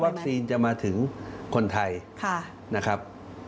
ถ้าวัคซีนจะมาถึงคนไทยนะครับ